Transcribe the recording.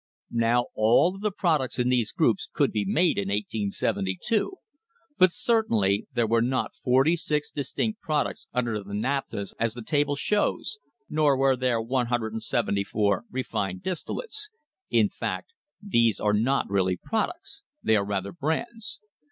Now all of the products in these groups could be made in 1872, but certainly there were not forty six distinct products under the naphthas as the table shows nor were there 174 refined distillates. In fact, these are not really prod ucts; they are rather brands.